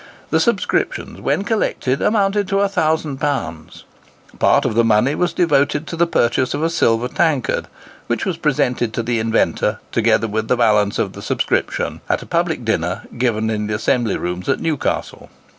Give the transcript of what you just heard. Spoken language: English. The subscriptions, when collected, amounted to £1000. Part of the money was devoted to the purchase of a silver tankard, which was presented to the inventor, together with the balance of the subscription, at a public dinner given in the Assembly Rooms at Newcastle.